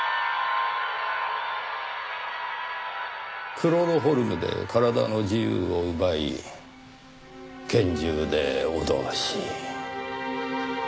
クロロホルムで体の自由を奪い拳銃で脅し。